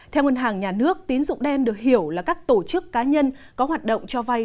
theo ngân hàng nhà nước tín dụng đen được hiểu là các tổ chức cá nhân có hoạt động cho vay